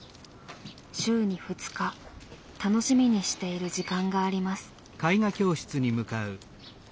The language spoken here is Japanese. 週に２日楽しみにしている時間があります。